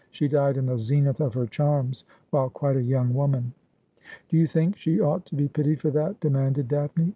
She died in the zenith of her charms, while quite a young woman.' ' Do you think she ought to be pitied for that ?' demanded Daphne.